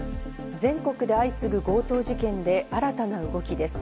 全国で相次ぐ強盗事件で新たな動きです。